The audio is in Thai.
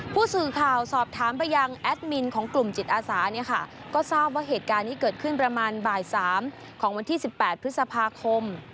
ผู้สื่อข่าวสอบถามไปยังแอดมินของกลุ่มจิตอาสาเนี่ยค่ะก็ทราบว่าเหตุการณ์นี้เกิดขึ้นประมาณบ่าย๓ของวันที่๑๘พฤษภาคม